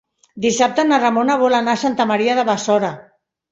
Dissabte na Ramona vol anar a Santa Maria de Besora.